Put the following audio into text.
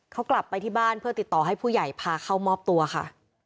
เขากลับไปที่บ้านเพื่อติดต่อให้ผู้ใหญ่พาเข้ามอบตัวค่ะ